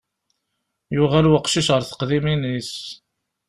Yuɣal weqcic ar teqdimin-is.